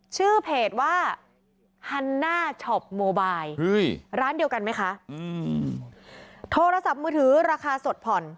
ชื่อเพจว่าฮันน่าช็อปโมบายร้านเดียวกันไหมคะอืมโทรศัพท์มือถือราคาสดผ่อน